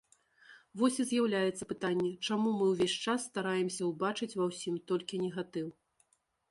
Вось і з'яўляецца пытанне, чаму мы ўвесь час стараемся ўбачыць ва ўсім толькі негатыў?